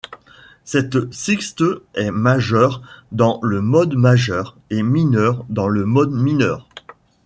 Cette sixte est majeure dans le mode majeur, et mineure dans le mode mineur.